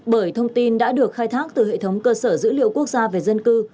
bởi thông tin đã được khai thác từ hệ thống cơ sở dữ liệu quốc gia về dân cư